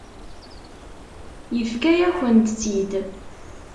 Yefka-yakent-tt-id.